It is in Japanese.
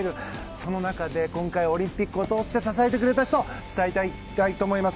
その中で、今回オリンピックを通して支えてくれた人たち伝えたいと思います。